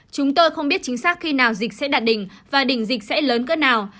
chúng tôi không biết chính xác khi nào dịch sẽ đạt đỉnh và đỉnh dịch sẽ lớn cơn nào